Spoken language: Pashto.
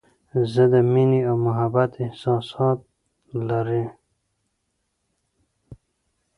زه د مینې او محبت احساسات لري.